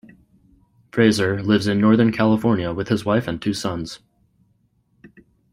Fraser lives in northern California with his wife and two sons.